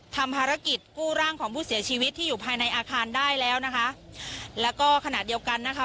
ทำภารกิจกู้ร่างของผู้เสียชีวิตที่อยู่ภายในอาคารได้แล้วนะคะแล้วก็ขณะเดียวกันนะคะ